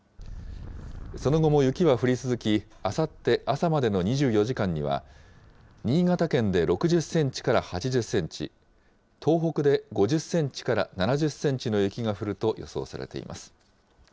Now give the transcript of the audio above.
その後も雪は降り続き、あさって朝までの２４時間には、新潟県で６０センチから８０センチ、東北で５０センチから７０センチの雪が降ると予想されています。